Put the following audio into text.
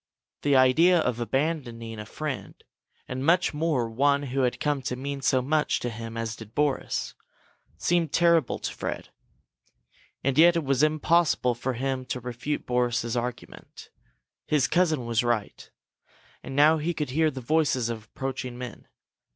The idea of abandoning a friend, and much more one who had come to mean so much to him as did Boris, seemed terrible to Fred. And yet it was impossible for him to refute Boris's argument. His cousin was right. And now he could hear the voices of approaching men.